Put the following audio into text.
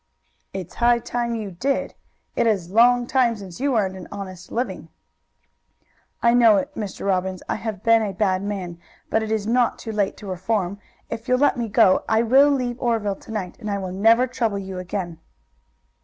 "It's high time you did. It is a long time since you earned an honest living." "I know it, Mr. Robbins. I have been a bad man, but it is not too late to reform. If you'll let me go I will leave Oreville to night, and I will never trouble you again."